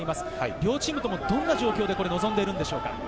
両チームとも、どんな状況で臨んでいるのでしょうか？